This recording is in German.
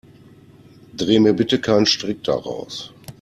Dreh mir bitte keinen Strick daraus.